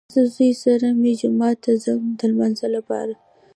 زه زوی سره مې جومات ته ځم د لمانځه لپاره